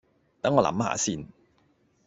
等我諗吓先